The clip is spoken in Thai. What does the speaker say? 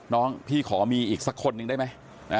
น้องพี่ขอมีอีกสักคนหนึ่งได้ไหม